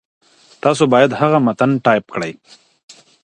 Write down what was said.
تاسو باید هغه متن ټایپ کړئ.